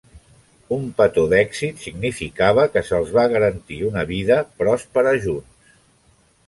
Un petó d'èxit significava que se'ls va garantir una vida pròspera junts.